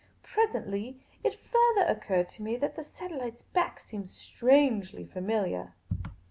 Presently it further occurred to me that the satellite's back seemed strangel} familiar.